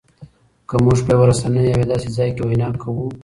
که مونږ په یوه رسنۍ او یا داسې ځای کې وینا کوو